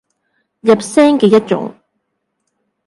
入聲嘅一種